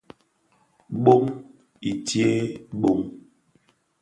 Bông i tséé bông.